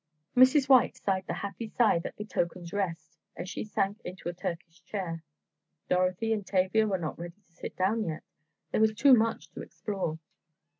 Mrs. White sighed the happy sigh that betokens rest, as she sank into a Turkish chair. Dorothy and Tavia were not ready to sit down yet—there was too much to explore.